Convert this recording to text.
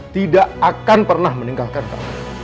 tidak akan pernah meninggalkan kami